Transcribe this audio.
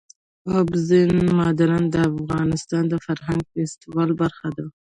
اوبزین معدنونه د افغانستان د فرهنګي فستیوالونو برخه ده.